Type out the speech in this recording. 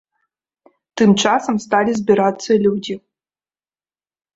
Тым часам сталі збірацца людзі.